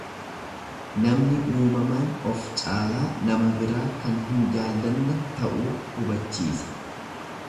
Namni uumamaan of caalaa nama biraa kan hin jaallanne ta'uu hubachiisa.